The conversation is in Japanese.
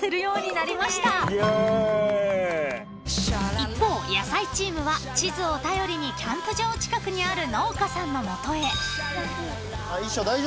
［一方野菜チームは地図を頼りにキャンプ場近くにある農家さんの元へ］